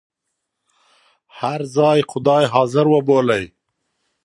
هر ځای خدای حاضر وبولئ.